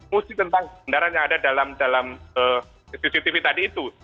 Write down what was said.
muji tentang kebenaran yang ada dalam cctv tadi itu